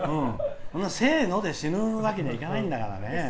せーので死ぬわけにはいかないんだからね。